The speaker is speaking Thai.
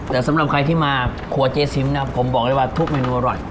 แต่สำหรับใครที่มาครัวเจ๊ซิมนะครับผมบอกเลยว่าทุกเมนูอร่อย